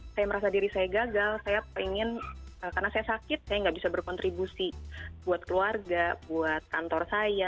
saya merasa diri saya gagal saya pengen karena saya sakit saya nggak bisa berkontribusi buat keluarga buat kantor saya